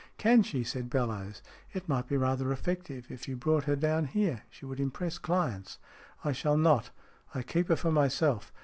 "Can she?" said Bellowes. "It might be rather effective if you brought her down here. She would impress clients." " I shall not. I keep her for myself!